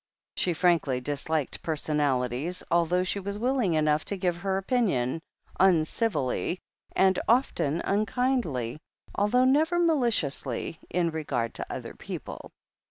She frankly dis liked personalities, although she was willing enough to give her opinion, uncivilly and often unkindly, although never maliciously, in regard to other people.